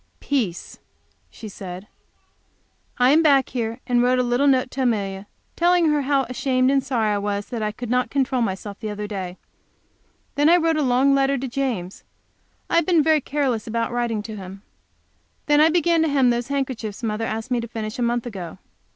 "Peace," she said. I came back here and wrote a little note to Amelia, telling her how ashamed and sorry I was that I could not control myself the other day. Then I wrote a long letter to James. I have been very careless about writing to him. Then I began to hem those handkerchiefs mother asked me to finish a month ago.